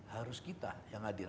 harus kita yang hadir